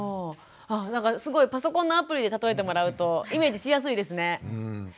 あっなんかすごいパソコンのアプリで例えてもらうとイメージしやすいですね。